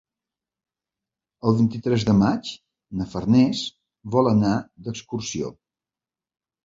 El vint-i-tres de maig na Farners vol anar d'excursió.